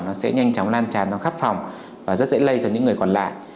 nó sẽ nhanh chóng lan tràn vào khắp phòng và rất dễ lây cho những người còn lại